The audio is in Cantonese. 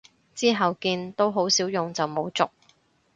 之後見都好少用就冇續